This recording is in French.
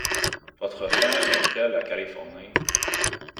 Votre femme aime-t-elle la Californie ?